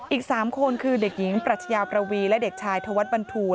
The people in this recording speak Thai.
อีก๓คนคือเด็กหญิงปรัชญาประวีและเด็กชายธวัฒน์บรรทูล